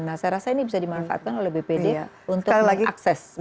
nah saya rasa ini bisa dimanfaatkan oleh bpd untuk mengakses